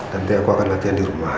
nanti aku akan latihan di rumah